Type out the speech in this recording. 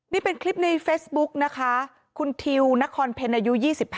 นี่เป็นคลิปในเฟซบุ๊กนะคะคุณทิวนครเพ็ญอายุ๒๕